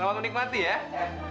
makan yang banyak